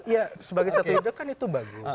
ya sebagai satu ide kan itu bagus